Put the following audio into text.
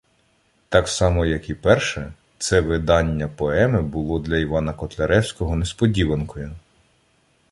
Так само як і перше, це видання поеми було для Івана Котляревського несподіванкою.